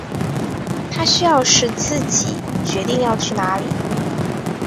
他需要是自己决定要去哪里